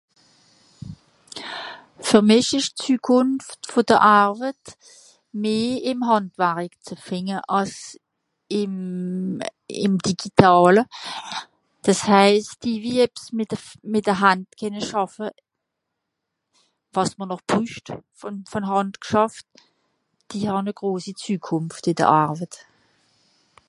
Für mich ist die Zukunft von der Arbeit mehr im Handwerk zu finden, als im Digitalen. Das heißt, die die etwas mit der Hand arbeiten können, was man noch braucht von hand gearbeitet, die haben eine grosse Zukunft in der Arbeit.